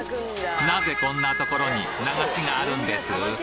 なぜこんな所に流しがあるんです？